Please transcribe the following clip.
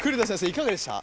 いかがでした？